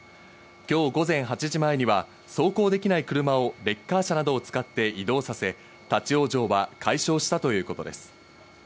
今日午前８時前には走行できない車をレッカー車などを使って移動させ、立ち往生は解消したということです。